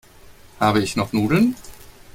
Habe ich noch Nudeln?